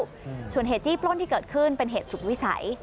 อืมส่วนเหตุจี้ปล้นที่เกิดขึ้นเป็นเหตุสุดวิสัย